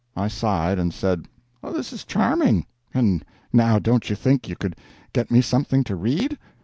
I sighed and said: "This is charming; and now don't you think you could get me something to read?"